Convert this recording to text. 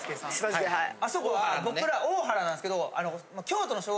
あそこは僕ら大原なんですけど。